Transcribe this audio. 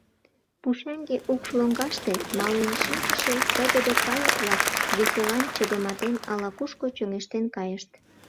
Пушеҥге укш лоҥгаште мален шинчыше тыгыде кайык-влак, веселан чыгыматен, ала-кушко чоҥештен кайышт.